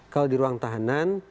kalau di ruang tahanan